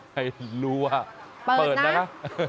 ให้รู้ว่าเปิดนะคะ